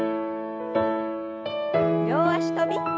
両脚跳び。